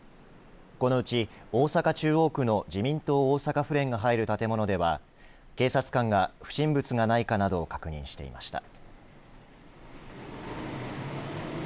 このうち大阪、中央区の自民党大阪府連が入る建物では警察官が不審物がないかなどを確認していました。